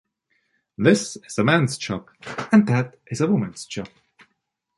This is a man’s job. that is a woman’s job.